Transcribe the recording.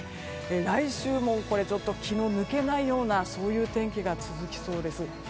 来週も気の抜けない天気が続きそうです。